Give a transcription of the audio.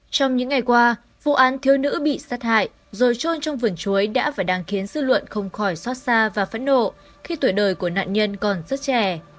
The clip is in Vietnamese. trong những ngày qua vụ án thiếu nữ bị sát hại rồi trôn trong vườn chuối đã và đang khiến dư luận không khỏi xót xa và phẫn nộ khi tuổi đời của nạn nhân còn rất trẻ